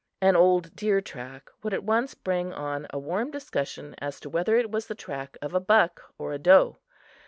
An old deer track would at once bring on a warm discussion as to whether it was the track of a buck or a doe.